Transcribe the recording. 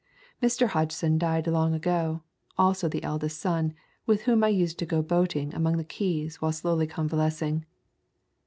Mr. Hodgson died long ago, also the eldest son, with whom I used to go boating among the keys while slowly convalescing."